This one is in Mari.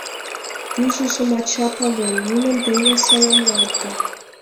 Южыжым ача пален, нунын дене саламлалте.